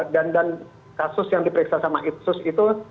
dan kasus yang diperiksa sama itsus itu